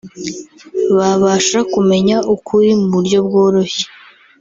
babasha kumenya ukuri mu buryo bworoshye